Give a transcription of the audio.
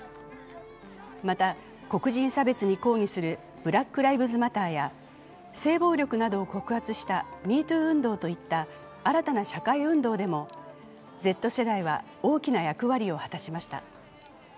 また、黒人差別に抗議するブラック・ライブズ・マターや性暴力などを告発したＭｅＴｏｏ運動といった新たな社会運動でもＺ世代は大きな役割を果たしました。